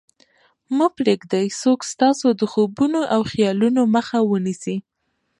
مه پرېږدئ څوک ستاسې د خوبونو او خیالونو مخه ونیسي